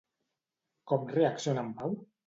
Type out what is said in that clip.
Com reacciona en Pau?